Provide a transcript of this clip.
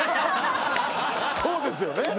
そうですよね。